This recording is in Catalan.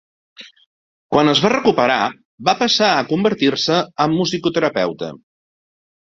Quan es va recuperar, va passar a convertir-se en musicoterapeuta.